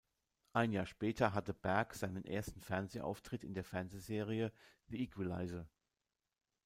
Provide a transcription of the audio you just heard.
Ein Jahr später hatte Berg seinen ersten Fernsehauftritt in der Fernsehserie "The Equalizer".